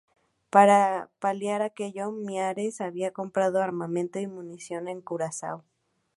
Para paliar aquello, Miyares había comprado armamento y munición en Curazao.